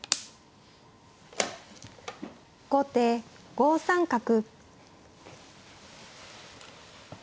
後手５三角。